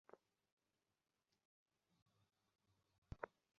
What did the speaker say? সুতরাং কেবল বিচারজনিত ধারণার বলে তাঁহাকে একেবারে সমুদয় প্রাকৃতিক বন্ধন ছিন্ন করিতে হয়।